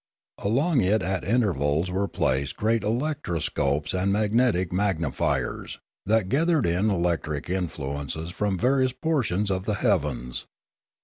Along it at intervals were placed great electroscopes and magnetic magnifiers, that gathered in electric influences from various portions of the heavens.